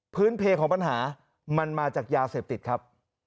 เพของปัญหามันมาจากยาเสพติดครับ